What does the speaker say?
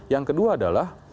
yang kedua adalah